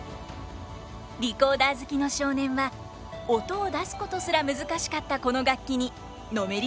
リコーダー好きの少年は音を出すことすら難しかったこの楽器にのめり込んでいきます。